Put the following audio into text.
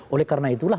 oleh karena itulah